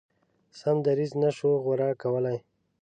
سم دریځ نه شو غوره کولای.